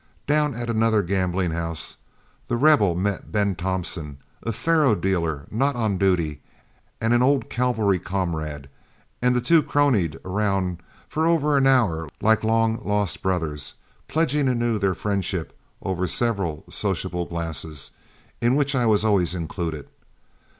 Down at another gambling house, The Rebel met Ben Thompson, a faro dealer not on duty and an old cavalry comrade, and the two cronied around for over an hour like long lost brothers, pledging anew their friendship over several social glasses, in which I was always included.